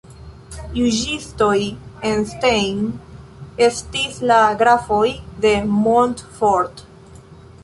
Juĝistoj en Stein estis la "Grafoj de Montfort".